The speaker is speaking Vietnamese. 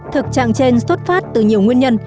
thực trạng trên xuất phát từ nhiều nguyên nhân